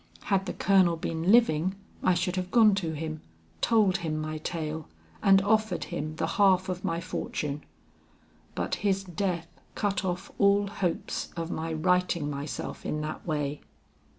Had the colonel been living, I should have gone to him, told him my tale and offered him the half of my fortune; but his death cut off all hopes of my righting myself in that way.